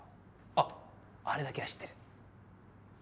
あっあれだけは知ってる。